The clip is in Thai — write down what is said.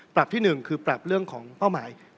ที่๑คือปรับเรื่องของเป้าหมาย